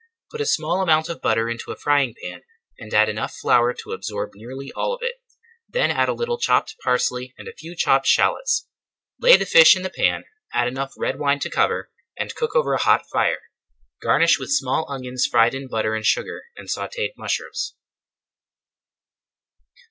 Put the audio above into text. Put a small amount of butter into a frying pan and add enough flour to absorb nearly all of it, then add a little chopped parsley and a few chopped shallots. Lay the fish in the pan, add enough red wine to cover, and cook over [Page 198] a hot fire. Garnish with small onions fried in butter and sugar, and sautéd mushrooms.